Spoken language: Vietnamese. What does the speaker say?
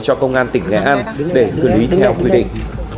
cho công an tỉnh nghệ an để xử lý theo quy định